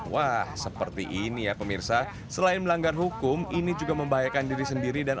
wah seperti ini ya pemirsa selain melanggar hukum ini juga membahayakan diri sendiri dan